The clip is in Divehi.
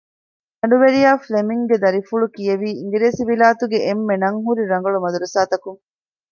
ދަނޑުވެރިޔާ ފްލެމިންގ ގެ ދަރިފުޅު ކިޔެވީ އިނގިރޭސިވިލާތުގެ އެންމެ ނަން ހުރި ރަނގަޅު މަދުރަސާތަކުން